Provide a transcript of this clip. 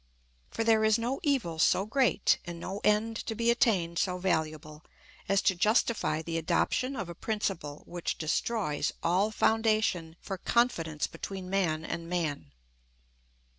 For there is no evil so great, and no end to be attained so valuable, as to justify the adoption of a principle which destroys all foundation for confidence between man and man.